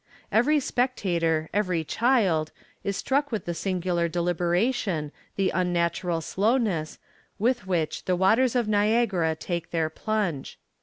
Every spectator, every child, is struck with the singular deliberation, the unnatural slowness, with which the waters of Niagara take their plunge.